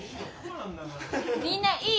みんないい？